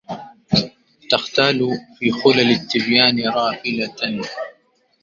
تختالُ في حُلَل التبيانِ رافلةً